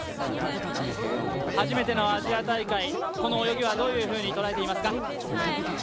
初めてのアジア大会、この泳ぎはどういうふうに捉えていますか？